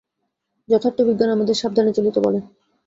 যথার্থ বিজ্ঞান আমাদের সাবধানে চলিতে বলে।